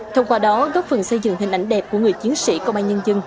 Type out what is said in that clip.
thông qua đó góp phần xây dựng hình ảnh đẹp của người chiến sĩ công an nhân dân